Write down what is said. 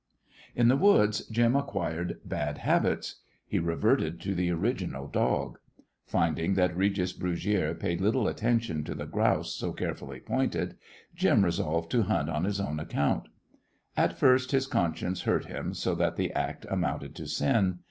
In the woods Jim acquired bad habits. He reverted to the original dog. Finding that Regis Brugiere paid little attention to the grouse so carefully pointed, Jim resolved to hunt on his own account. At first his conscience hurt him so that the act amounted to sin.